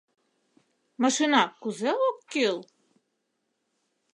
Машина кузе ок кӱл?